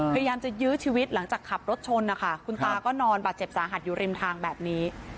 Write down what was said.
พยายามจะยื้อชีวิตหลังจากขับรถชนนะคะคุณตาก็นอนบาดเจ็บสาหัสอยู่ริมทางแบบนี้